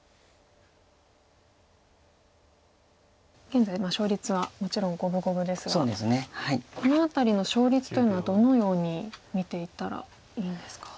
現在勝率はもちろん五分五分ですがこの辺りの勝率というのはどのように見ていったらいいんですか。